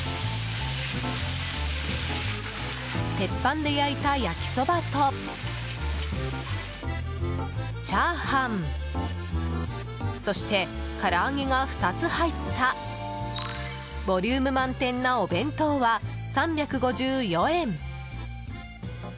鉄板で焼いた焼きそばとチャーハンそして、から揚げが２つ入ったボリューム満点なお弁当は３５４円。